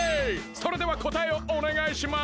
それではこたえをおねがいします！